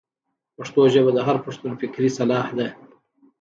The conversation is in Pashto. پښتو ژبه د هر پښتون فکري سلاح ده.